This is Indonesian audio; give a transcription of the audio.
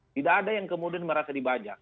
tidak ada yang kemudian merasa dibajak